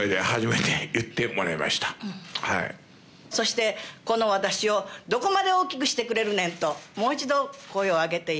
そしてこの私をどこまで大きくしてくれるねんともう一度声を上げて言いたいと思います。